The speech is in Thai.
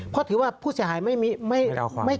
เพราะถือว่าผู้เสียหายไม่เกลียด